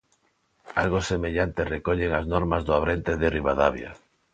Algo semellante recollen as normas do Abrente de Ribadavia.